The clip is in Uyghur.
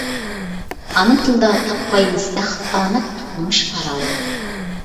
ئانا تىلدا تاپقايمىز بەخت ئامەت، تۇرمۇش پاراۋان.